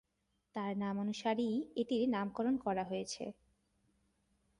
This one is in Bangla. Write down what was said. তার নামানুসারেই এটির নামকরণ করা হয়েছে।